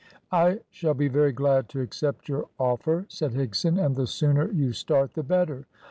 "I shall be very glad to accept your offer," said Higson, "and the sooner you start the better."